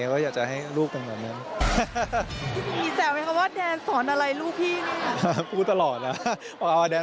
เขาอยากจะให้ลูกผมเหมือนมัน